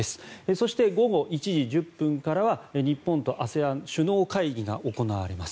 そして、午後１時１０分からは日本とＡＳＥＡＮ首脳会議が行われます。